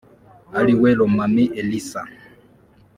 ariwe Romami Elisa